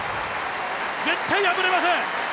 絶対破れません！